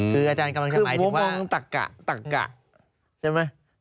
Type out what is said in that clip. คืออาจารย์กำลังจะหมายถึงว่าตักกะตักกะใช่ไหม